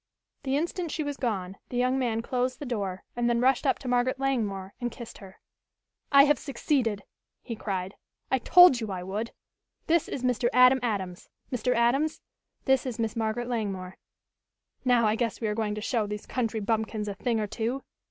The instant she was gone, the young man closed the door and then rushed up to Margaret Langmore and kissed her. "I have succeeded!" he cried. "I told you I would. This is Mr. Adam Adams. Mr. Adams, this is Miss Margaret Langmore. Now, I guess we are going to show these country bumpkins a thing or two!"